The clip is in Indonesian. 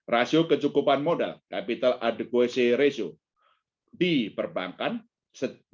rasio kecukupan modal di perbankan jadi